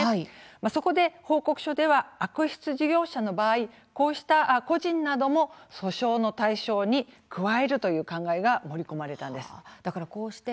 そこで報告書では悪質事業者の場合、こうした個人なども訴訟の対象に加えるという考えが盛り込まれたんです。